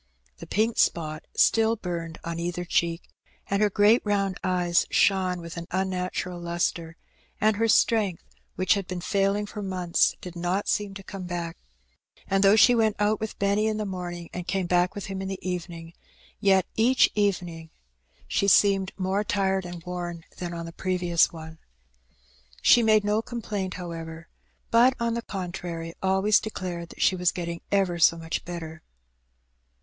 The pink spot stiU burned on either cheek, and her great round eyes shone with an unnatural lustre, and her strength, which had been faiKng for months, did not seem to come back ; and though she went out with Benny in the morning and came back with him in the evening, yet each evening she H 2 ^^1^<c5cV. 100 Hee Benny. seemed more tired and worn than on the previous one. She made no complaint, however; but, on the contrary, always declared that she was getting ever so much better.